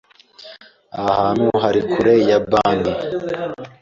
Aha hantu hari kure ya banki?